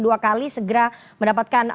dua kali segera mendapatkan